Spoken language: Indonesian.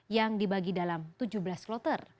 yang dibagi dalam tujuh belas kloter